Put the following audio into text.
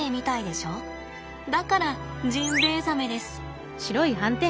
だからジンベエザメです。